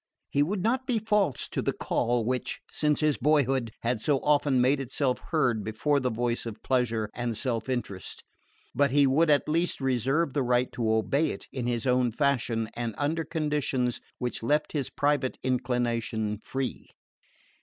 He would not be false to the call which, since his boyhood, had so often made itself heard before the voice of pleasure and self interest; but he would at least reserve the right to obey it in his own fashion and under conditions which left his private inclination free.